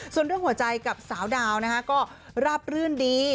ส่วนเรื่องหัวใจกับสาวดาวนะคะก็ราบรื่นดี